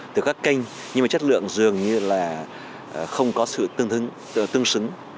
từ các kênh nhưng mà chất lượng dường như là không có sự tương xứng